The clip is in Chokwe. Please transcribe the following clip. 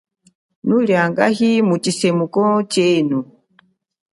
Nuli angahi mutshisemuko chenu ?